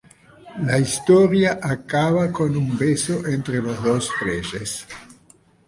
La historia acaba con un beso entre los dos reyes.